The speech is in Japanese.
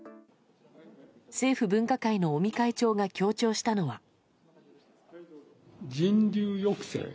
政府分科会の尾身会長が強調したのは。